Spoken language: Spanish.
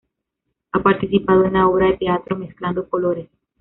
Ha participado en la obra de teatro "Mezclando colores".